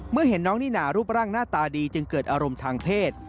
เห็นน้องนิน่ารูปร่างหน้าตาดีจึงเกิดอารมณ์ทางเพศ